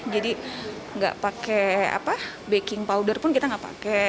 jadi gak pakai baking powder pun kita gak pakai